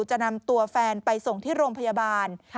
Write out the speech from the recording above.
จะนำตัวแฟนไปส่งที่โรงพยาบาล